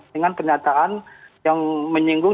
dengan pernyataan yang menyinggung